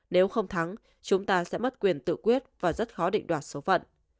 nếu không thắng chúng ta sẽ mất quyền tự quyết và rất khó định đoạt số phận